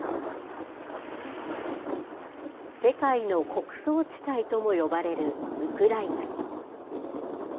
世界の穀倉地帯とも呼ばれるウクライナ。